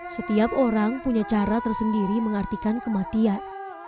setiap orang punya cara tersendiri mengartikan kematian